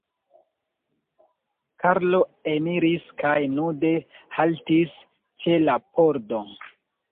Karlo eniris kaj nude haltis ĉe la pordo.